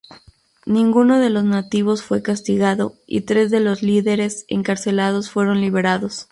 Ninguno de los nativos fue castigado, y tres de los líderes encarcelados fueron liberados.